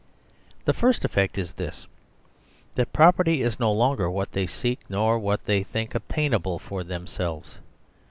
The first effect is this : that pro perty is no longerwhat they seek, nor what they think obtainable for themselves.